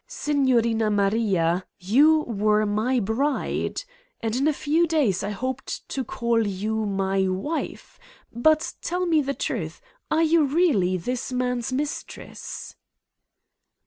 Signorina Maria, you were my bride? And in a few days I hoped to call you my wife. But tell me the truth: are you really ... this man's mistress